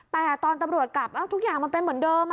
แต่ตอนตำรวจกลับทุกอย่างมันเป็นเหมือนเดิม